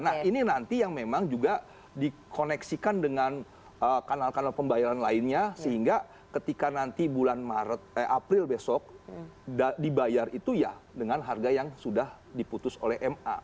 nah ini nanti yang memang juga dikoneksikan dengan kanal kanal pembayaran lainnya sehingga ketika nanti bulan april besok dibayar itu ya dengan harga yang sudah diputus oleh ma